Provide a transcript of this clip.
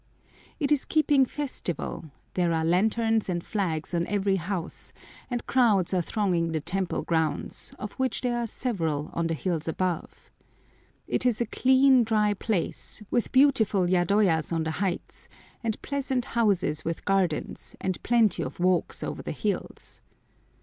It is keeping festival; there are lanterns and flags on every house, and crowds are thronging the temple grounds, of which there are several on the hills above. It is a clean, dry place, with beautiful yadoyas on the heights, and pleasant houses with gardens, and plenty of walks over the hills.